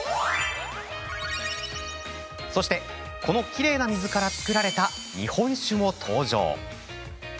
そして、このきれいな水から造られた日本酒も登場。